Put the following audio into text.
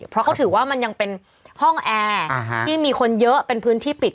เพราะเขาถือว่ามันยังเป็นห้องแอร์ที่มีคนเยอะเป็นพื้นที่ปิด